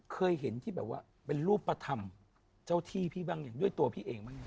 เคยเห็นที่แบบว่าเป็นรูปธรรมเจ้าที่พี่บ้างอย่างด้วยตัวพี่เองบ้างยัง